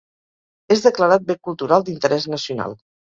És declarat bé cultural d'interès nacional.